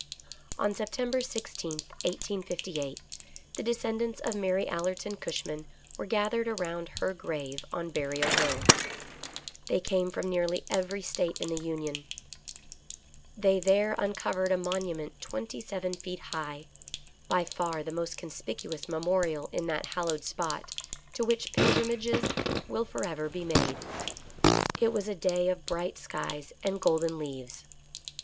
On September i6, 1858, the descendants of Mary Allerton Cushman were gathered around her grave on Burial Hill. They came from nearly every State in the THE pilgrims' EASTER LILY. II9 Union. They there uncovered a monument twenty seven feet high, by far the most conspicuous memorial in that hallowed spot, to which pilgrimages will forever be made. It was a day of bright skies and golden leaves.